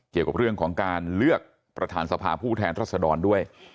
เกี่ยวกับเรื่องของการเลือกประธานสภาผู้แทนรัศดรด้วย